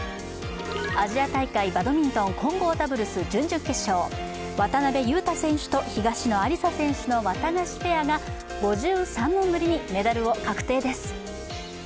アジア大会バドミントン混合ダブルス準々決勝渡辺勇大選手と東野有紗選手のワタガシペアが５３年ぶりにメダルを確定です。